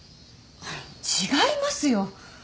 違いますよ！